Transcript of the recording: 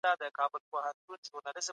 د مالونو په ګټلو کي احتیاط وکړئ.